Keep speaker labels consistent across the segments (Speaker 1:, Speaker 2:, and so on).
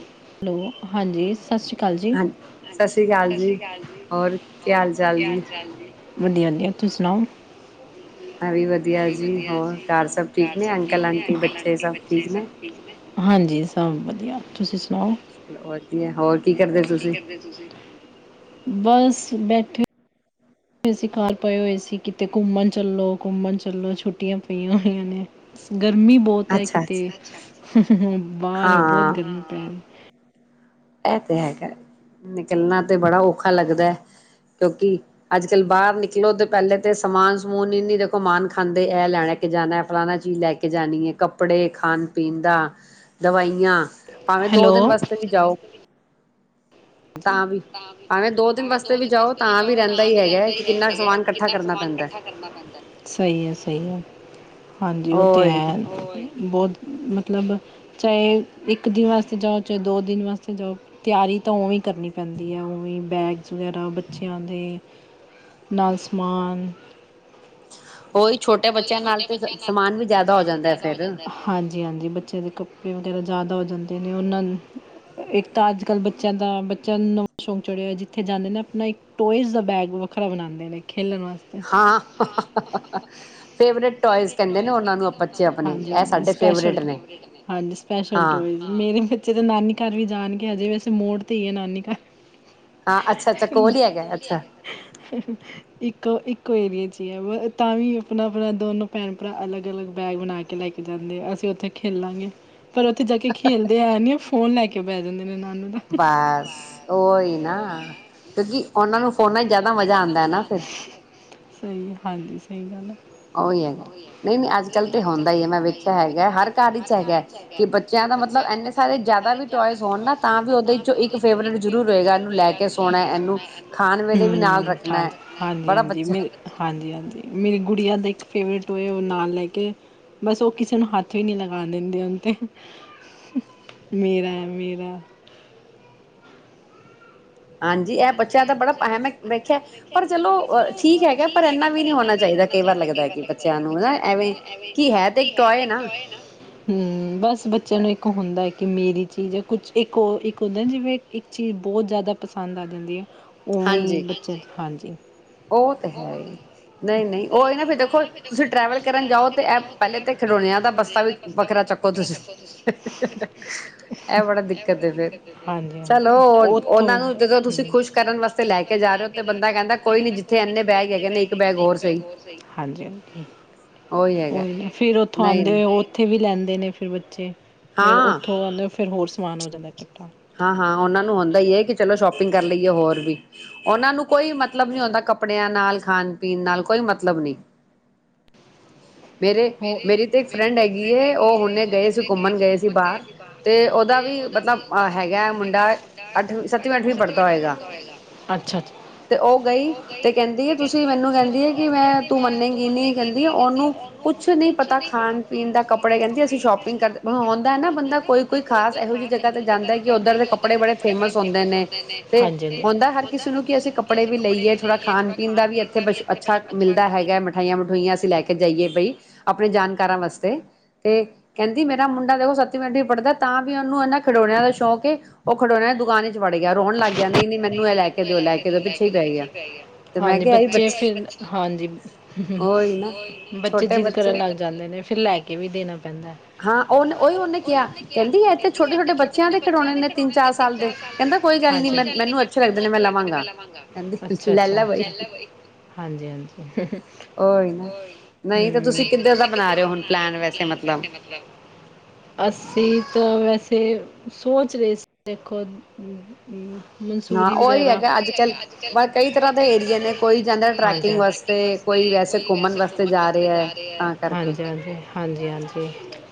Speaker 1: Hello, ਹਾਂਜੀ ਸਤਿ ਸ਼੍ਰੀ ਅਕਾਲ ਜੀ। ਸਤਿ ਸ਼੍ਰੀ ਅਕਾਲ ਜੀ ਹੋਰ ਕੀ ਹਾਲ ਚਾਲ ਜੀ? ਵਧੀਆ-ਵਧੀਆ। ਤੁ ਸੁਣਾਓ?
Speaker 2: ਮੈ ਵੀ ਵਧੀਆ ਜੀ। ਹੋਰ ਘਰ ਸਭ ਠੀਕ ਨੇ ਅੰਕਲ, ਆਂਟੀ, ਬੱਚੇ ਸਭ ਠੀਕ ਨੇ?
Speaker 1: ਹਾਂਜੀ, ਸਭ ਵਧੀਆ। ਤੁਸੀਂ ਸੁਣਾਓ? [unintelligible]
Speaker 2: [unintelligible] ਹੋਰ ਕੀ ਕਰਦੇ ਤੁਸੀਂ
Speaker 1: ਬਸ ਬੈਠੇ [unintelligible] ਅਸੀਂ ਘਰ ਪਏ ਹੋਏ ਸੀ ਕਿਤੇ ਘੁੰਮਣ ਚੱਲੋ ਘੁੰਮਣ ਚੱਲੋ ਛੁੱਟੀਆਂ ਪਈਆਂ ਹੋਈਆਂ ਨੇ ਗਰਮੀ ਬਹੁਤ ਹੈ ਕਿਤੇ ਬਾਹਰ ਬਹੁਤ ਗਰਮੀ ਪੈ
Speaker 2: ਐਹ ਤੇ ਹੈ ਕਰ ਨਿਕਲਣਾ ਤੇ ਬੜਾ ਔਖਾ ਲੱਗਦਾ ਹੈ ਕਿਉਂਕਿ ਅੱਜ ਕੱਲ ਬਾਹਰ ਨਿਕਲੋ ਤੇ ਪਹਿਲੇ ਤੇ ਸਮਾਨ ਸਮੂਨ ਇਨੀ ਦੇਖੋ ਮਾਨ ਖਾਂਦੇ ਇਹ ਲੈਣੈ ਕੇ ਜਾਣਾ ਫਲਾਣਾ ਚੀਜ਼ ਲੈ ਕੇ ਜਾਣੀ ਹੈ ਕੱਪੜੇ ਖਾਣ ਪੀਣ ਦਾ ਦਵਾਈਆਂ ਭਾਵੇਂ ਦੋ ਦਿਨ ਵਾਸਤੇ ਵੀ ਜਾਓ
Speaker 1: ਭਾਵੇ ਦੋ ਦਿਨ ਬਸਤੇ ਵੀ ਜਾਓ ਤਾਂ ਵੀ ਰਹਿੰਦਾ ਹੀ ਹੈਗਾ ਕਿੰਨਾ ਸਮਾਨ ਇਕੱਠਾ ਕਰਨਾ ਪੈਂਦਾ ਸਹੀ ਹੈ, ਸਹੀ ਹੈ। ਹਾਂਜੀ, ਉਹ ਤੇ ਹੈ ਬਹੁਤ ਮਤਲਬ, ਚਾਹੇ ਇੱਕ ਦਿਨ ਵਾਸਤੇ ਜਾਓ ਚਾਹੇ ਦੋ ਦਿਨ ਵਾਸਤੇ ਜਾਓ ਤਿਆਰੀ ਤਾਂ ਹੋਵੇ। ਕਰਨੀ ਪੈਂਦੀ ਹੈ ਉਵੇਂ ਬੈਗ ਵਗੈਰਾ ਬੱਚਿਆਂ ਦੇ ਨਾਲ ਸਮਾਨ ਉਹੀ ਛੋਟੇ ਬੱਚਿਆਂ ਨਾਲ ਸਮਾਨ ਵੀ ਜਿਆਦਾ ਹੋ ਜਾਂਦਾ ਹਾਜੀ -ਹਾਂਜੀ। ਬੱਚਿਆਂ ਦੇ ਕੱਪੜੇ ਵਗੈਰਾ ਜ਼ਿਆਦਾ ਹੋ ਜਾਂਦੇ ਨੇ ਉਹਨਾਂ ਇੱਕ ਤਾਂ ਅੱਜ ਕੱਲ੍ਹ ਬੱਚਿਆਂ ਦਾ ਬੱਚਿਆਂ ਨੂੰ ਨਵਾਂ ਸ਼ੌਕ ਚੜ੍ਹਿਆ, ਜਿੱਥੇ ਜਾਂਦੇ ਨੇ ਆਪਣਾ ਇੱਕ ਟੋਇਜ਼ ਦਾ ਬੈਗ ਵੱਖਰਾ ਬਣਾਉਂਦੇ ਨੇ।
Speaker 2: ਹਾਂ।
Speaker 1: ਸਪੇਸਲ ਟੋਇਜ ਜੀ ਮੇਰੇ ਬੱਚੇ ਤੇ ਨਾਨੀ ਘਾਰ ਵੀ ਜਾਣ ਹਜੇ ਵ ਮੋੜ ਤੇ ਹੀ ਆ ਨਾਨੀ ਘਰ। ਸਬ ਤੋ ਵਧੀਆ ਹੈ ਇੱਕੋ ਇੱਕੋ ਏਰੀਏ ਚ। ਹੈ ਵੇ ਤਾਂਵੀ। ਆਪਣਾ-ਆਪਣਾ ਦੋਨੋ ਭੈਣ-ਭਰਾ ਅਲੱਗ-ਅਲੱਗ ਬੈਗ ਬਣਾ ਕੇ ਲੈ ਕੇ ਜਾਂਦੇ ਆ ਅਸੀਂ ਉੱਥੇ ਖੇਲਾਂਗੇ। ਪਰ ਉੱਥੇ ਜਾ ਕੇ ਖੇਲਦੇ ਹੈ ਨੀ ਫੋਨ ਲੈ ਕੇ ਬੈ ਜਾਂਦੇ ਨੇ।
Speaker 2: ਬਸ ਓਹੀ ਨਾ ਫਿਰ ਵੀ
Speaker 1: ਉਹਨਾ ਨੂ ਫੌਨਾ ਇਚ ਜਿਆਦਾ ਮਜਾ ਆਉਂਦਾ ਸਹੀ ਹੈ ਹਾਂਜੀ। ਸਹੀ ਗੱਲ ਹੈ।
Speaker 2: ਉਹੀ ਹੈਗਾ ਨਹੀਂ ਨਹੀਂ ਅੱਜ ਕੱਲ ਤੇ ਹੁੰਦਾ ਹੀ ਹੈ ਮੈਂ ਵੇਖਿਆ ਹੈਗਾ ਹਰ ਘਰ ਚ ਹੈਗਾ ਕਿ ਬੱਚਿਆਂ ਦਾ ਮਤਲਬ ਇੰਨੇ ਸਾਰੇ ਜ਼ਿਆਦਾ ਵੀ ਟੋਇਸ ਹੋਣ ਨਾ ਤਾਂ ਵੀ ਉਹਦੇ ਚੋਂ ਇੱਕ ਫੇਵਰੇਟ ਜ਼ਰੂਰ ਹੋਏਗਾ ਇਹਨੂੰ ਲੈ ਕੇ ਸੋਣਾ।
Speaker 1: ਹੂੰ ਹਾਂ ਹਾਂਜੀ-ਹਾਂਜੀ, ਹਾਂਜੀ-ਹਾਂਜੀ ਮੇਰੀ ਗੁੜੀਆਂ ਦਾ ਫੇਵਰੇਟ ਟੋਆਯ ਉਹ ਨਾਲ ਲੈ ਕੇ ਬਸ ਉਹ ਕਿਸੇ ਨੂੰ ਹੱਥ ਵੀ ਨਹੀ ਲਗਾ ਦੇਂਦੀ, ਉਨਤੇ ਮੇਰਾ ਹੈ ਮੇਰਾ। ਠੀਕ ਵੀ ਬਸ ਬੱਚਿਆਂ ਨੂੰ ਇੱਕ ਹੁੰਦਾ ਕਿ ਮੇਰੀ ਚੀਜ਼ ਹ ਕੁਛ ਇਕ ਹੁੰਦਾ ਜਿਵੇਂ ਇੱਕ ਚੀਜ਼ ਬਹੁਤ ਜਿਆਦਾ ਪਸੰਦ ਆ [unintelligible] ਉਵੇਂ ਬੱਚੇ, ਹਾਂਜੀ। [unintelligible] [unintelligible] [unintelligible] ਕੋਈ ਨਹੀਂ ਕਿੱਥੇ ਇੰਨੇ ਬੈਗ ਹੈਗੇ ਨੇ ਇੱਕ ਬੈਗ ਹੋਰ ਸਹੀ ਫਿਰ ਉਥੋਂ ਆਉਂਦੇ ਉੱਥੇ ਵੀ ਲੈਂਦੇ ਨੇ ਫਿਰ ਬੱਚੇ। ਫਿਰ ਉੱਥੌ ਫਿਰ ਹੋਰ। ਸਮਾਨ ਹੋ ਜਾਂਦਾ।
Speaker 2: ਹਾਂ-ਹਾਂ, ਉਹਨਾਂ ਨੂੰ ਹੁੰਦਾ ਹੀ ਹੈ ਕਿ ਚਲੋ ਸਾਪਿ ਸ਼ਪਿੰਗ ਕਰ ਲਈਏ ਹੋਰ ਵੀ ਉਹਨਾਂ ਨੂੰ ਕੋਈ ਮਤਲਬ ਨੀ ਆਉਂਦਾ ਕੱਪੜਿਆਂ ਨਾਲ ਖਾਣ ਪੀਣ ਨਾਲ ਕੋਈ ਮਤਲਬ ਨੀ ਮੇਰੇ ਮੇਰੀ ਤੇ ਇੱਕ ਫਰੈਂਡ ਹੈਗੀ ਏ ਉਹ ਹੁਨੇ ਗਏ ਸੀ ਘੁੰਮਣ ਗਏ ਸੀ ਬਾਹਰ ਤੇ ਉਹਦਾ ਵੀ ਮਤਲਬ
Speaker 1: ਗਾਾ ਉਹ ਗਈ ਕਹਿੰਦੀ ਆ ਤੁਸੀ ਮਨੂੰ ਕਹਿੰ ਮੈਂ ਤੂੰ ਮੰਨੇ ਨ ਕਹਿੰਦੀਨੂੰ [unintelligible]
Speaker 2: ਕੁਛ ਨਹੀਂ ਪਤਾ ਖਾਣ ਪੀਣ ਦਾ ਕੱਪੜਾ ਕਹਿੰਦੀ ਅਸੀ ਸ਼ੋਪਿੰਗ ਕਰ ਹਉਂਦਾ ਹੈ ਨਾ ਬੰਦਾ ਕੋਈ ਕੋਈ ਖਾਸ ਇਹੋ ਜਿਹੀ ਜ ਜਾਂਦਾ ਕਿ ਉੱਧਰ ਦੇ ਕੱਪੜੇ ਬੜੇ ਫੇਮਸ ਹੁੰਦੇ ਨੇ ਤੇ ਹੁੰਦਾ ਹਰ ਕਿਸੇ ਨੂੰ ਕਿ ਅਸੀਂ ਕੱਪੜੇ ਵੀ ਲਈਏ ਥੋੜਾ ਖਾਣ ਪੀਣ ਦਾ ਵੀ ਇੱਥੇ ਬ ਅੱਛਾ ਮਿਲਦਾ ਹੈਗਾ ਮਿਠਾਈ ਮਠੂਈਆਂ ਅਸੀਂ ਲੈ ਕੇ ਜਾਈਏ ਪਈ ਆਪਣੇ ਜਾਣਕਾਰਾਂ ਵਾਸਤੇ ਤੇ ਕਹਿੰਦੀ ਮੇਰਾ ਮੁੰਡਾ ਦੇਖੋ ਸੱਤਵੀਂ ਅੱਠਵੀਂ ਪੜ੍ਹਦਾ ਤਾਂ ਵੀ ਉਹਨੂੰ ਇਹਨਾਂ ਖਿਡੌਣਿਆਂ ਦਾ ਸ਼ੌਕ ਏ ਉਹ ਖਡੋਣਿਆਂ [unintelligible] ਦੁਕਾਨੇ ਚ ਵੜ ਗਿਆ ਰੋਣ ਲੱਗ
Speaker 1: ਹਾਂਜੀ ਬੱਚੇ ਫਿਰ ਹਾਂਜੀ ਬੱਚੇ ਜਿ ਕਰਨ ਲਗ ਜਾਂਦੇ ਨੇ ਫਿਰ ਲੈ ਕੇ ਵੀ ਦੇਣਾ ਪੈਂਦਾਹ
Speaker 2: ਤੁਡੇ
Speaker 1: [unintelligible]
Speaker 2: [unintelligible] ਬੱਚਿਆਂ ਦੇ ਖਿਡੌਣੇ ਨੇ ਤਿੰਨ ਚਾਰ ਸਾਲ ਦੇ ਕਹਿੰਦਾ ਕੋਈ ਗੱਲ ਨੀ ਮੈਂ ਮੈਨੂੰ
Speaker 1: ਅਾ ਅਾ ਹਾਂਜੀ ਹਜੀ ਹ ਅਸੀ ਤ ਵ [unintelligible] ਅਤੇ ਸੋਚ ਰਹੇ ਸੀ ਦੇਖੋ ਮੰਸੂਰੀ ਵਗੈਰਾ ਅ ਕ ਤ ਹਨਾਂਜੀ ਹਨਕ ਵ ਘ ਹਨਾਂਜੀੀ ਹਨਜੀੀ ਹਨਾਂਜੀੀ ਹਨਜੀ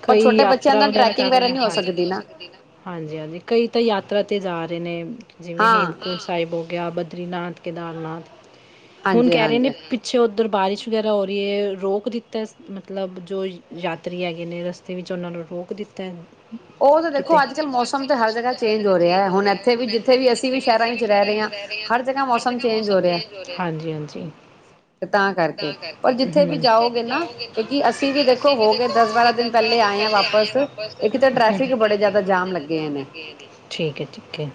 Speaker 1: ਕਈ ਯਾਤਰਾ ਵਗਰਾ ਕਰ ਰ ਹਨਜੀ ਹਨਾਂਜੀੀ ਹਨਾਂਜੀ ਕਈ ਤ ਯਾਤਰਾ ਜਾ [unintelligible] ਦੇ ਨੇਮ। ਜਿਵੇਂ ਹੇਮਕੁੰਟ ਸਾਹਿਬ ਹੋ ਗਿਆ ਬਦਰੀਨਾਥ ਕੇਦਾਰਨਾਥ ਹੁਣ ਕੈਰੇ ਨੇ ਪਿੱਛੋ ਉੱਧਰ ਬਾਰਿਸ਼ ਵਗੈਰਾ ਹੋ ਰੀ ਏ ਰੋਕ ਦਿੱਤੈ ਮਤਲਬ ਜੋ ਯਾਤਰੀ ਹੈਗੇ ਨੇ ਰਸਤੇ ਵਿੱਚ ਔਨਾਂ ਨੂੰ ਰੋਕ ਦਿੱਤੈ।
Speaker 2: ਔ ਤਾਂ ਦੇਖੋ ਅੱਜ ਕੱਲ੍ਹ ਮੌਸਮ ਤੇ ਹਰ ਜਗ੍ਹਾ ਚੇਂਜ ਹੋ ਰਿਐ ਹੁਣ ਐਥੇ ਵੀ ਜਿੱ
Speaker 1: ਜਿਥੇ ਵੀ ਅਸੀਂ ਵੀ ਸੈ਼ਰਾਂ ਵਿਚ ਰੈ ਰੇ ਆ ਹਰ ਜਗੈ ਮੌਸਮ ਚੇਂਜ ਹੋ ਰਿਐ। ਹਾਂਜੀ ਹਾਂਜੀ। ਤਾਂ ਕਰਕੇ, ਹਮ, ਪਰ ਜਿੱਥੇ ਵੀ ਜਾਓਗੇ ਨਾ ਕਿਉਂਕਿ ਅਸੀਂ ਵੀ ਦੇਖੋ ਹੋ ਗਏ ਦਸ ਬਾਰਾਂ ਦਿਨ ਪੈਲੇ ਆਏ ਆਂ ਵਾਪਸ, ਇੱਕ ਤੇ ਟ੍ਰੈਫਿਕ ਬੜੇ ਜੈਦਾ ਜਾਮ ਲੱਗੇ ਹੋਏ ਨੇ। ਠੀਕ ਹੈ, ਠੀਕ ਐ।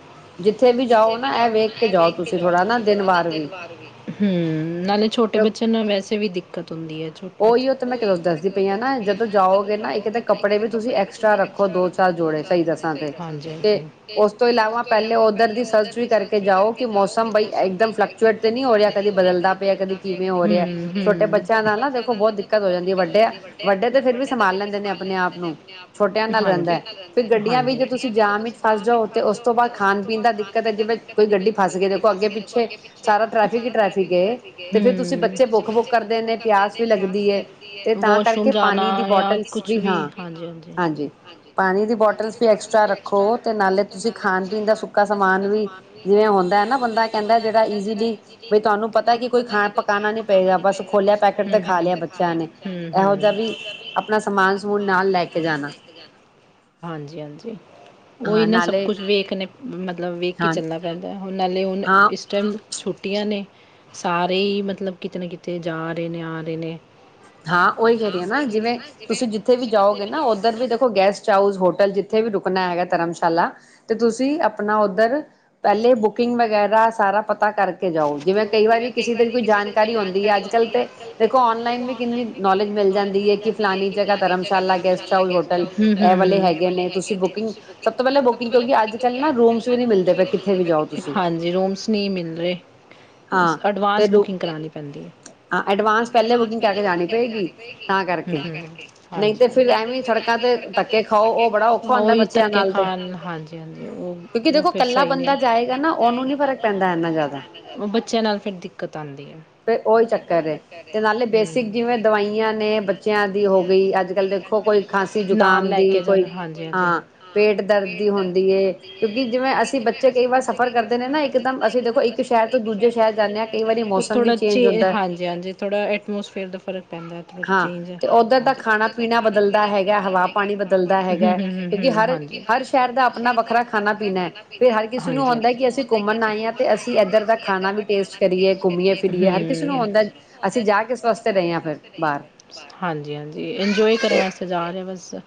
Speaker 1: ਜਿੱਥੇ ਵੀ ਜਾਓ ਨਾ ਐ ਵੇਖ ਕੇ ਜਾਓ ਤੁਸੀਂ ਥੋੜਾ ਨਾ ਦਿਨ ਵਿਰ ਵੀ। ਹਮ ਨ ਹਾਂ ਨੀ ਛੋਟੇ ਬੱਚਆਂ ਨਾਲ ਵੈਸੇ ਵੀ ਦੀਕਤ ਹੁੰਦੀ ਐ, ਛੋਟੇ ਬਚ--ਔਹਿਔ ਤੇ ਮੈਂ ਕਿ ਦੱਸਦੀ ਪਈ ਆਂ ਨਾ ਜਦੋਂ ਜਾਓਗੇ ਨਾ ਇੱਕ ਤੇ ਕੱਪੜੇ ਵੀ ਤੁਸੀਂ ਐਕਸਟਰਾ ਰੱਖੋ ਦੋ ਚਾਰ ਜੋੜੇ ਸਹੀ ਦਸਾਂ ਤੇ, ਹਾਂਜੀ ਹਾਂਜੀ, ਤੇ ਓਸ ਤੋਂ ਇਲਾਵਾ
Speaker 2: ਉੱਧਰ ਦੀ ਸਰਚ ਵੀ ਕਰਕੇ ਜਾਓ ਕਿ ਮੌਸਮ ਬਈ ਏਕਦਮ ਫਲੈਕਚੁਏਟ ਤੇ ਨੀ ਹੋ ਰਿਆ ਕਦੀ ਬਦਲਦਾ ਪ ਪਯੈ ਕਦੀ ਕਿਵੇਂ ਹੋ ਰਿਐ ਛੋਟੇ ਬੱਚਆਂ ਨਾਲ ਨਾ ਦੇਖੋ ਬੌਤ ਦਿੱਕਤ ਹੋ ਜਾਂਦੀ ਏ ਵੱਡੇ ਵੱਡੇ ਤੇ ਫੇਰ ਵੀ ਸੰਭਾਲ ਲੈਂਦੇ ਨੇ ਅਪਣੇ ਆਪ ਨੂੰ, ਛੋਟਿਆਂ ਨਾਲ ਰੈੰਦਾ। ਫਿਰ ਗੱਡੀਆਂ ਵੀ ਜੇ ਤੁਸੀਂ ਜਾਮ ਇਚ ਫਸ ਜਾਓ ਤੇ ਉਸ ਤੋਂ ਬਾਦ ਖਾਣ ਪੀਣ ਦਾ ਕਦੇ ਜਿਵੇਂ ਕੋਈ ਗੱਡੀ ਫਸ ਕੇ ਦੇਖੋ ਅੱਗੇ-ਪਿੱਛੇ ਸਾਰਾ ਟ੍ਰੈਫਿਕ ਹੀ ਟ੍ਰੈਫਿਕ ਏ ਤੇ ਫਿਰ ਤੁਸੀਂ ਬੱਚੇ ਬੁੱਖ ਬੁੱਕ ਕਰਦੇ ਨੇ ਪਿਆਸ ਵੀ ਲੱਗਦੀ ਏ ਤੇ ਤਾਂ ਕਰਕੇ ਪਾਣੀ ਦੀ ਬੋਟਲਸ ਵੀ ਹਾਂ ਹਾਂਜੀ ਪਾਣੀ ਦੀ ਬੋਟਲਸ ਵੀ ਐਕਸਟਰਾ ਰੱਖੋ ਤੇ ਨਾਲੇ ਤੁਸੀਂ ਖਾਣ-ਪੀਣ ਦਾ ਸੁ ਸਮਾਨ ਵੀ ਜਿਵੇਂ ਹੁੰਦਾ ਹੈ ਨਾ ਬੰਦਾ ਕਹਿੰਦਾ ਜਿਹੜਾ ਈਜ਼ਲੀ ਬਈ ਤੁਹਾਨੂੰ ਪਤਾ ਕਿ
Speaker 1: ਹਾਂਜੀ ਹਾਂਜੀ ਉਓਹੀ ਨਾ ਸਭ ਕੁਛ ਵੇਖ [unintelligible] ਮਤਲਬ ਵੇਖ ਕੇ ਚੱਲਣਾ ਪੈਂਦਾ ਹੁਣ ਨਾਲੇ ਹੁਣ ਇਸ ਟਾਈਮ ਛੁੱਟੀਆਂ ਨੇ, ਸਾਰੇ ਹੀ ਮਤਲਬ ਕਿਥੇ ਨਾ ਕਿੱਥੇ ਜਾ ਰਹੇ ਨੇ ਆ ਰਹੇ ਨੇ।
Speaker 2: ਹਾਂ ਉਹੀ ਕਹਿ ਰਹੀ ਹੈ ਜਿਵੇਂ ਤੁਸੀਂ ਜਿੱਥੇ ਵੀ ਜਾਓਗੇ ਨਾ ਉੱਧਰ ਵੀ ਦੇਖੋ ਗੈਸ ਚਾਊ ਹੋਟਲ ਜਿੱਥੇ ਵੀ ਰੁਕਣਾ ਹੈਗਾ ਧਰਮਸ਼ਾਲਾ, ਤੇ ਤੁਸੀਂ ਆਪਣਾ ਉੱਧਰ ਪਹਿਲੇ ਬੁਕਿੰਗ ਵਗੈਰਾ ਸਾਰਾ ਪ ਪਤਾ ਕਰਕੇ ਜਾਓ, ਜਿਵੇਂ ਕਈ ਵਾਰੀ ਕਿਸੇ ਦੀ ਕੋਈ ਜਾਣਕਾਰੀ ਹੁੰਦੀ ਹੈ, ਅੱਜ ਕੱਲ ਤੇ ਦੇਖੋ ਔਨਲਾਈਨ ਵੀ
Speaker 1: ਨੋਲੇਜ ਮਿਲਜੰਦੀ ਹੈ ਕਿ ਫਲਾਣੀ ਜਗ੍ਹਾ ਗੈਸਟ ਹਾਊਸ ਕਿਉੰਕੀ ਅੱਜ ਕਲ ਰੂਮਸ ਨਹੀਂ ਮਿਲ ਰਹੇ
Speaker 2: ਹਾਂ- ਤੇ ਰ ਹਾਂ ਐਡਵਾਂਸ ਪਹਿਾਂ ਬੁਕਿੰਗ
Speaker 1: ਹਾਂਜੀ ਹ ਉਹੀ ਧੇ ਖਣ ਹਾਂਜੀ ਹਾਂਜੀ ਫਿਰ ਸਹੀ ਨੀ ਬੰ ਫਦਾ ਉਹ ਬੱਚਿਆਂ ਨਾਲ ਫਿਰ ਦਿੱਕਤ ਆਉਂਦੀ ਐ ਉਹੀ ਚੱਕਰ ਹੈ
Speaker 2: ਜਿਵੇਂ ਦਵਾਈਆਂ ਨੇ ਬੱਚਿਆਂ ਦੀ ਹੋ ਗਈ ਅੱਜ ਕੱਲ੍ਹ ਦੇਖੋ ਕੋਈ ਖਾਂਸੀ ਜ਼ੁਕਾਮ ਦੀ ਕੋਈ ਹਾਂ ਪੇਟ ਦਰਦ ਦੀ ਹੁੰਦੀ ਹੈ ਕਿਉਂਕਿ ਜਿਵੇਂ ਅਸੀਂ ਬੱਚੇ ਕਈ ਵਾਰ ਸਫ਼ਰ ਕਰਦੇ ਨੇ ਨਾ ਇੱਕਦਮ ਅਸੀਂ ਦੇਖੋ ਇੱਕ ਸ਼ਹਿਰ
Speaker 1: ਏਕ ਸ਼ਹਿਰ ਤੋਂ ਦੁਜੇ ਸ਼ਹਿਰ ਜਾਂਦੇ ਹਾ ਉਹ ਥੋੜਾ ਚੇ ਹਾਂਜੀ-ਹਾਂਜੀ ਥੋੜਾ ਅਟਮਸਫਅਰ ਫਿਰ ਫਰਕ ਪੈਂਦਾ ਹੈ ਚੇਂਜ, ਖਣਾ-ਪੀਨਾ ਬਦਲਦਾ ਹਵਾ ਪਾਣੀ ਹਾਂਜੀ ਹ ਹ ਸ਼ਰ ਦਾ ਆਪਣਾ ਵਰਾ ਖਣਾ-ਪੀਨਾ ਹਾਂਜੀ ਜ ਅਸੀ ਘਮਣ ਆ ਆ
Speaker 2: ਇੱਧਰ ਦਾ ਖਾਣਾ ਵੀ ਟੇਸਟ ਕਰੀਏ, ਘੁੰਮੀਏ-ਫਿਰੀਏ ਹਰ ਕਿਸੇ ਨੂੰ ਆਉਂਦਾ ਅਸੀਂ ਜਾ ਕਿਸ ਵਾਸਤੇ ਰਹੇ ਹਾਂ ਫਿਰ
Speaker 1: ਹਾਂਜੀ-ਹਾਂਜੀ ਇੰਜੋਏ ਕਰਨ ਵਾਸਤੇ ਜਾ ਰਹੇ ਬਸ ਤ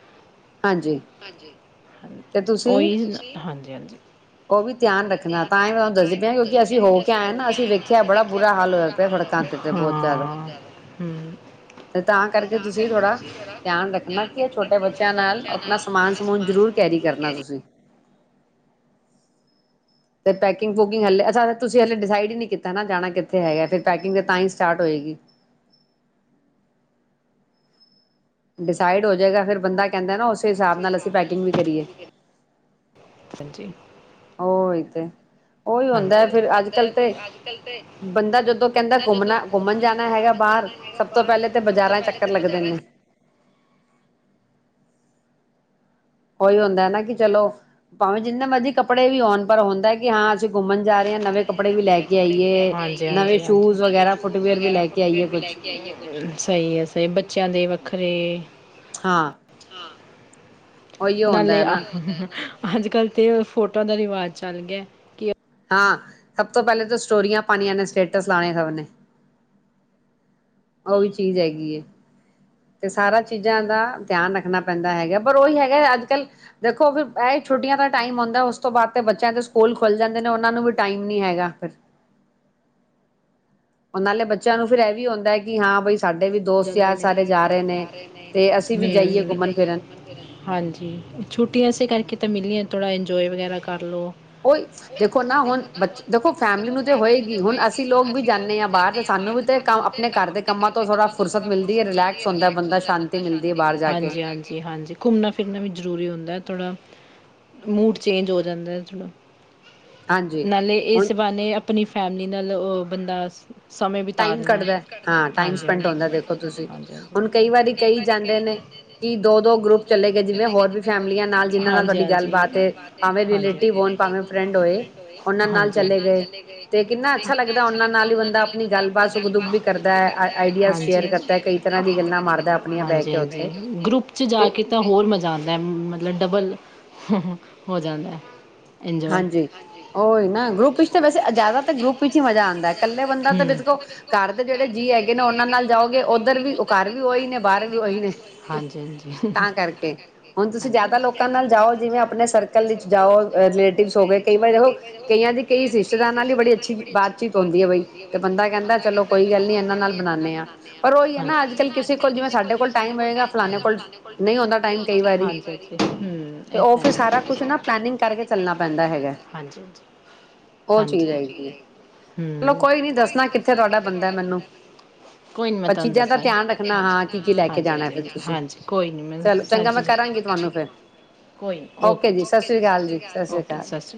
Speaker 1: ਓਹੀ ਹਾਂਜੀ-ਹਾਂਜੀ ਤਯਾਨ ਰੱਖਣਾ ਅਸੀਂ ਹੋ ਕੇ ਆ ਨਾ ਅਸੀਂ ਵੇਖਿਆ ਬੜਾ ਬੁਰਾ ਹਾਲ ਤੇ ਤਾਂ ਕਰਕੇ ਤੁਸੀਂ ਬੜਾ ਧਿਆ ਰੱਖਣਾ
Speaker 2: ਬੱਚਿਆਂ ਨਾਲ ਆਪਣਾ ਸਮਾਨ-ਸਮੂਨ ਜ਼ਰੂਰ ਕੈਰੀ ਕਰਨਾ ਤੁਸੀਂ ਤੇ ਪੈਕਿੰਗ ਫੂਕਿੰਗ ਹਾਲਲੇ ਅਛਾ ਤੁਸੀਂ ਹਲੇ ਡਿਸਾਈਡ ਹੀ ਨਹੀਂ ਕੀਤਾ ਹੈ ਨਾ ਜਾਣਾ ਕਿੱਥੇ ਹੈਗਾ ਫਿਰ ਪੈਕਿੰਗ ਤੇ ਤਾਂ ਹੀ ਸਟਾਰਟ ਹੋਏਗੀ ਡਿਸਾਈਡ ਹੋ ਜਾਏਗਾ ਫਿਰ ਬੰਦਾ ਕਹਿੰਦਾ ਨਾ ਉਸੇ ਹਿਸਾਬ ਨਾਲ ਅਸੀਂ ਪੈਕਿੰਗ ਵੀ ਕਰੀਏ ਹੀ ਤੇ ਉਹੀ ਹੁੰਦਾ ਫਿਰ ਅੱਜ ਕੱਲ੍ਹ ਤੇ ਬੰਦਾ ਜਦੋਂ ਕਹਿੰਦਾ ਘੁੰਮਣਾ ਘੁੰਮਣ ਜਾਣਾ ਹੈਗਾ ਬਾਹਰ ਸਭ ਤੋਂ ਪਹਿਲੇ ਤੇ ਬਾਜ਼ਾਰਾਂ ਚੱਕਰ ਲੱਗਦੇ ਨੇ ਉਹੀ ਹੁੰਦਾ ਹੈ, ਨਾ ਕਿ ਚਲੋ ਭਾਵੇਂ ਜਿੰਨੇ ਮਰਜੀ ਕੱਪੜੇ ਵੀ ਆਉਣ ਪਰ ਹੁੰਦਾ ਕਿ ਹਾਂ, ਅਸੀਂ ਘੁੰਮਣ ਜਾ ਰਹੇ ਹਾਂ ਨਵੇਂ ਕੱਪੜੇ
Speaker 1: ਨਵੇਂ ਸ਼ੂਜ ਵਗੈਰਾ ਕੁੱਟਗੇਟ ਵੀ ਲੈ ਕੇ ਆਈ ਹ ਸਹੀ ਹ ਸਹੀ ਬੱਚਿਆਂ ਲਈ ਵੱਖਰੇ ਹਾਂ ਨਾਲੇ ਅੱਜ ਕੱਲ ਤੇ ਫੋਟੋਆਂ ਦਾ ਰਿਵਾਜ਼ ਚੱਲ ਗਿਆ ਕਿ
Speaker 2: ਹਾਂ ਸਭ ਤੋਂ ਪਹਿਲੇ ਜੋ ਸਟੋਰੀਆਂ ਪਾਉਣੀਆਂ ਨੇ ਸਟੇਟਸ ਲਾਣੇ ਖਬਰ ਨੇ ਉਹ ਵੀ ਚੀਜ਼ ਹੈਗੀ ਹ ਤੇ ਸਾਰਾ ਚੀਜ਼ਾਂ ਦਾ ਧਿਆਨ ਰੱਖਣਾ ਪੈਂਦਾ ਹੈਗਾ ਪਰ ਉਹੀ ਹੈਗਾ ਅੱਜਕੱਲ ਦੇਖੋ ਛੋਟੀਆਂ ਤਾਂ ਟਾਈਮ ਆਉਂਦਾ ਉਸ ਤੋਂ ਬਾਅਦ ਤੇ ਬੱਚਿਆਂ ਦੇ ਸਕੂਲ ਖੁੱਲ ਜਾਂਦੇ ਨੇ ਉਹਨਾਂ ਨੂੰ ਵੀ ਟਾਈਮ ਨਹੀਂ ਹੈਗਾ ਉਹਨਾਂ ਨਾਲ਼ੇ ਬੱਚਿਆਂ ਨੂੰ ਫਿਰ ਇਹ ਵੀ ਆਉਂਦਾ ਹਾਂ ਬਾਈ
Speaker 1: ਜਾਂਦੇ ਨੇ ਸਾਰੇ ਜਾ ਰਹੇ ਨੇ ਤੁਸੀਂ ਵੀ ਜਾਈਏ ਹਾਂਜੀ ਛੋਟੀਆਂ ਐਸੇ ਕਰਕੇ ਤਾਂ ਮਿਲੀਆਂ ਥੋੜਾ ਇੰਜੋਏ ਵਗੈਰਾ ਕਰ ਲਓ
Speaker 2: ਓਏ ਦੇਖੋ ਨਾ, ਹੁਣ ਦੇਖੋ ਫੈਮਲੀ ਨੂੰ ਤੇ ਹੋਏਗੀ ਹੁਣ ਅਸੀਂ ਲੋਕ ਵੀ ਜਾਨੇ ਆ ਬਾਹਰ ਸਾਨੂੰ ਵੀ ਤਾਂ ਇਹ ਕੰਮ ਆਪਣੇ ਘਰ ਦੇ ਕੰਮਾਂ ਤੋਂ
Speaker 1: ਹਾਂਜੀ, ਹਾਂਜੀ ਘੁਮਣਾ ਫਿਰਨਾ ਵੀ ਜਰੂਰੀ ਹੁੰਦਾ ਥੋੜਾ ਮੂਡ ਚੇਂਜ ਹੋ ਜਾਂਦਾ ਥੋੜਾ ਨਾਲੇ ਇਹ ਇਸ ਬਾਹਨੇ ਆਪਣੀ ਫੈਮਲੀ ਨਾਲ ਉਹ ਬੰਦਾ ਸਮੇਂ ਬਿਤਾ ਦੇਣਾ।
Speaker 2: ਪਿੰਡ ਆਉਂਦਾ ਦੇਖੋ ਤੁਸੀਂ ਹੁਣ ਕਈ ਵਾਰੀ ਕਈ ਜਾਂਦੇ ਨੇ ਕਿ ਦੋ ਦੋ ਗਰੁੱਪ ਚਲੇ ਗਏ ਜਿਵੇਂ ਹੋਰ ਵੀ ਫੈਮਿਲੀਆਂ ਨਾਲ ਜਿਨਾਂ ਨਾਲ ਤੁਹਾਡੀ ਗੱਲਬਾਤ ਭਾਵੇਂ ਰਿਲੇਟਿਵ ਹੋਣ ਭਾਵੇਂ ਫਰੈਂਡ ਹੋਏ ਉਹਨਾਂ ਨਾਲ ਚਲੇ ਗਏ ਤੇ ਕਿੰਨਾ ਅੱਛਾ ਲੱਗਦਾ ਉਹਨਾਂ ਨਾਲ ਹੀ ਬੰਦਾ ਜੀ ਗੱਲਬਾਤ ਵੀ ਕਰਦਾ
Speaker 1: ਗਰੁੱਪ ਚ ਜਾ ਕੇ ਤਾਂ ਹੋਰ ਮਜਾਦਾ ਮਤਲਬ ਡਬਲ ਹੋ ਜਾਂਦਾ
Speaker 2: ਹਾਂਜੀ, ਉਹ ਇਨਾ ਗਰੁੱਪ ਵਿੱਚ ਤਾਂ ਵੈਸੇ ਜ਼ਿਆਦਾਤਰ ਗਰੁੱਪ ਵਿੱਚ ਹੀ ਮਜ਼ਾ ਆਉਂਦਾ ਇਕੱਲੇ ਬੰਦਾ ਤਾਂ ਬਿਲਕੁਲ ਘਰ ਦੇ ਜਿਹੜੇ ਇਹਨਾਂ ਉਹਨਾਂ ਨਾਲ ਜਾਓਗੇ ਉਧਰ ਵੀ ਉਹ ਕਰ ਵੀ ਉਹੀ ਨੇ ਬਾਹਰ ਵੀ ਉਹੀ ਨੇ ਤਾਂ ਕਰਕੇ ਹੁਣ ਤੁਸੀਂ ਜ਼ਿਆਦਾ ਲੋਕਾਂ ਨਾਲ ਜਾਓ ਜਿਵੇਂ ਆਪਣੇ ਸਰਕਲ ਵਿੱਚ ਜਾਓ ਲੇਟ ਸੋ ਗਏ ਕਈ ਵਾਰ ਦੇਖੋ ਕਈਆਂ ਦੇ ਕਈ ਸਿਸਟਰਾਂ ਨਾਲ ਵੀ ਬੜੀ ਅੱਛੀ ਬਾਤਚੀਤ ਹੁੰਦੀ ਹ ਬਾਈ ਤੇ ਬੰਦਾ ਕਹਿੰਦਾ ਚਲੋ ਕੋਈ ਗੱਲ
Speaker 1: ਕੋਈ ਗੱਲ ਨਹੀਂ ਇਹਨਾਂ ਨਾਲ ਬਣਾਉਦੇ ਆ ਨਾ ਅੱਜਕੱਲ ਕਿਸੇ ਕੋਲ ਜਿਵੇਂ ਸਾਡੇ ਕੋਲ ਟਾਈਮ ਹੋਏਗਾ ਫਲਾਣੇ ਕੋਲ ਨਹੀਂ ਆਉਂਦਾ ਟਾਈਮ ਕਈ ਵਾਰੀ ਹੂੰ ੲਏਤਾ ਹੈ ਹਾਂਜੀ ਹਾਂਜੀ ਹਾਂਜੀ ਹੂੰ ਕੋਈ ਨੀ ਮੈਂ ਤੁਹਾਨੂੰ ਦੱਸਾਂ ਹਾਜੀ ਹਾਂਜੀ ਕੋਈ ਨੀ ਮ ਸ ਚੀ ਕੋਈ ਓਓ ਸਤਿ ਸ਼੍ਰ